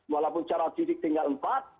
walaupun secara fisik tinggal empat